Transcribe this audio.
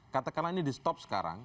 katakanlah ini di stop sekarang